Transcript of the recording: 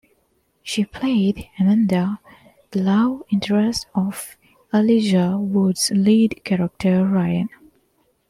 She played Amanda, the love interest of Elijah Wood's lead character Ryan.